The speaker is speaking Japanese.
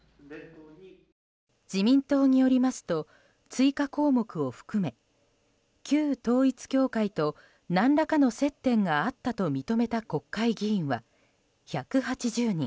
自民党によりますと追加項目を含め旧統一教会と何らかの接点があったと認めた国会議員は１８０人。